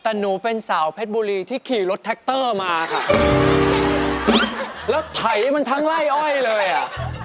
แต่หนูเป็นสาวเพศบุรีที่ขี่รถมาค่ะแล้วถ่ายให้มันทั้งไล่อ้อยเลยอ่ะ